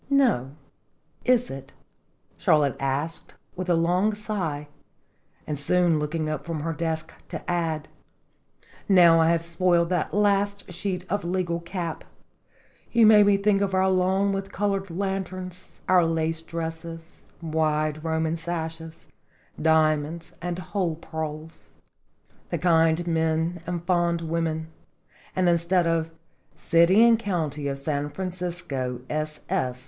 " No, is it?" Charlotte answered, with a long sigh, and soon looking up from her desk to add: "Now I have spoiled that sheet of legal cap! You made me think of our lawn with colored lanterns, our lace dresses, wide 33 34 Sinpfc iftotrjs. Roman sashes, diamonds and whole pearls, the kind men and fond women, and instead of 'City and County of San Francisco, ss.